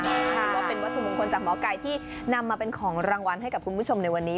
นี่ก็เป็นวัตถุมงคลจากหมอไก่ที่นำมาเป็นของรางวัลให้กับคุณผู้ชมในวันนี้